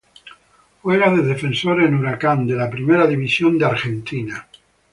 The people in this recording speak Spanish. Juega de defensor en Huracán de la Primera División de Argentina.